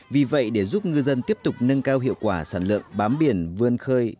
vì vậy để giúp ngư dân tiếp tục nâng cao hiệu quả sản lượng bám biển vươn khơi